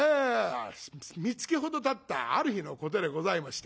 みつきほどたったある日のことでございまして。